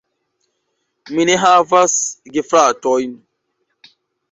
Mi ne havas gefratojn.